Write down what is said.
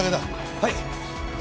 はい。